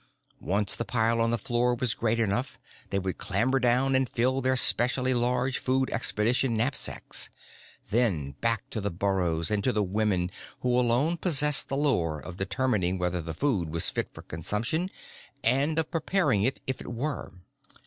Once the pile on the floor was great enough, they would clamber down and fill their specially large, food expedition knapsacks. Then back to the burrows and to the women who alone possessed the lore of determining whether the food was fit for consumption and of preparing it if it were.